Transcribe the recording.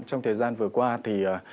trong thời gian vừa qua thì